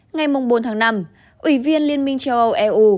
ngày bốn tháng năm ủy viên liên minh châu âu eu